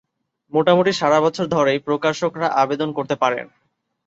মোটামুটি সারাবছর ধরেই প্রকাশকরা আবেদন করতে পারেন।